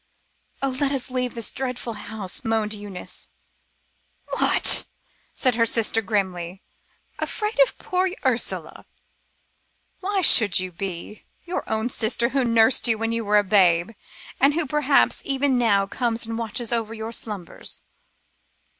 "Oh, let us leave this dreadful house," moaned Eunice. "What!" said her sister grimly; "afraid of poor Ursula? Why should you be? Your own sister who nursed you when you were a babe, and who perhaps even now comes and watches over your slumbers."